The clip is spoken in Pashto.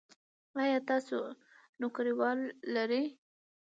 ایا تاسو نوکریوالي لرئ؟